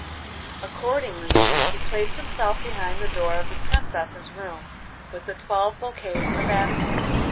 Accordingly he placed himself behind the door of the princesses' room, with the twelve bouquets in a basket.